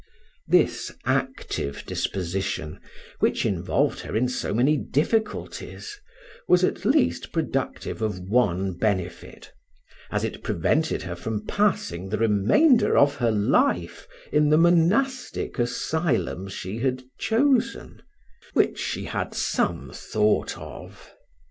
This active disposition, which involved her in so many difficulties, was at least productive of one benefit as it prevented her from passing the remainder of her life in the monastic asylum she had chosen, which she had some thought of.